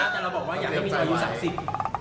แต่เราบอกว่าอยากให้มีสายอยู่สายสิบ